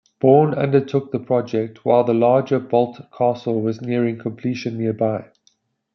Bourne undertook the project while the larger Boldt Castle was nearing completion nearby.